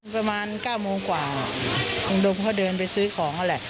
ประมาณ๙โมงกว่าของโดมเขาเดินไปซื้อของนั่นแหละ